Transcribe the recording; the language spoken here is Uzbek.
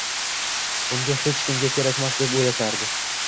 Unga hech kimga kerakmas deb oʻylashardi.